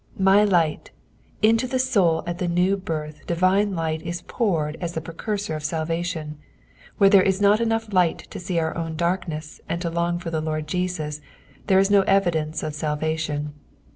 " 3fy light ;"— into the soul at the new birth divioe Ugbt is poured as the precursor of salvation ; where there is not enough light to Bee our ann darknesB and to long for the Lord Jesus, there is no evidence of salvation.